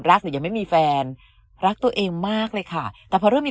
หรือยังไม่มีแฟนรักตัวเองมากเลยค่ะแต่พอเริ่มมี